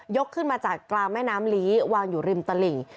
ขึ้นมาจากกลางแม่น้ำลีวางอยู่ริมตลิ่ง